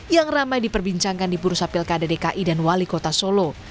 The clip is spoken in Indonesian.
yang ramai diperbincangkan di bursa pilkada dki dan wali kota solo